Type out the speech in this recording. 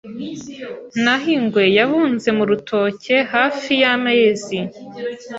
Naho ingwe yabunze mu rutoke hafi y'amayezi